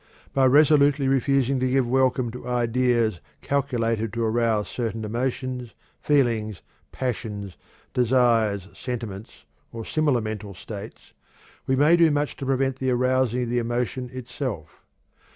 By resolutely refusing to give welcome to ideas calculated to arouse certain emotions, feelings, passions, desires, sentiments, or similar mental states, we may do much to prevent the arousing of the emotion itself.